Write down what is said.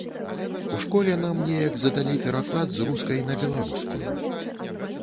У школе нам неяк задалі пераклад з рускай на беларускую.